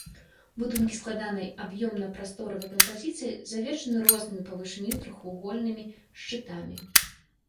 Будынкі складанай аб'ёмна-прасторавай кампазіцыі, завершаны рознымі па вышыні трохвугольнымі шчытамі.